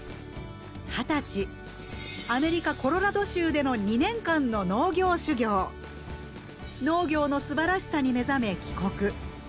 二十歳アメリカ・コロラド州での２年間の農業のすばらしさに目覚め帰国。